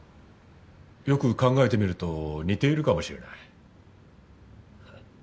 よく考えてみると似ているかもしれない。